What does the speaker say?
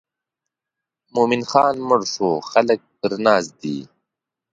مومن خان مړ شو خلک پر ناست دي.